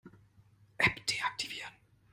App deaktivieren.